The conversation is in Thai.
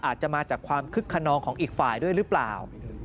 อาจจะมาจากความคึกขนองของอีกฝ่ายด้วยหรือเปล่า